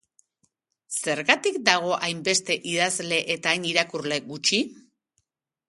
Zergatik dago hainbeste idazle eta hain irakurle gutxi?